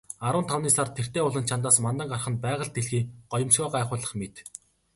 Арван тавны сар тэртээ уулын чанадаас мандан гарах нь байгаль дэлхий гоёмсгоо гайхуулах мэт.